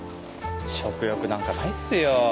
食欲なんかないっすよ。